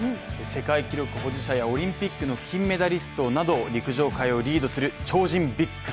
世界記録保持者やオリンピックの金メダリストなど陸上界をリードする超人ＢＩＧ７。